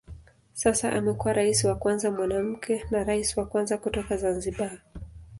Sasa amekuwa rais wa kwanza mwanamke na rais wa kwanza kutoka Zanzibar.